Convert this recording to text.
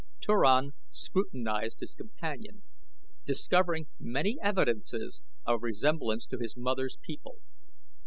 Turan scrutinized his companion, discovering many evidences of resemblance to his mother's people.